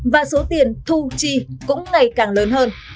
và số tiền thu chi cũng ngày càng lớn hơn